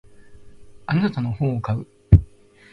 あなたの本を買う。